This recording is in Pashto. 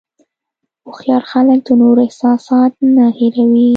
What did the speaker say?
هوښیار خلک د نورو احساسات نه هیروي نه.